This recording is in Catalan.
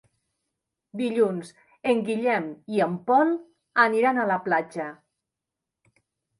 Dilluns en Guillem i en Pol aniran a la platja.